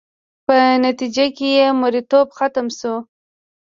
په نتیجه کې یې مریتوب ختم شو